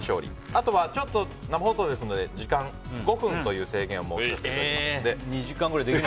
あとは、ちょっと生放送ですので時間５分という制限を設けさせていただきます。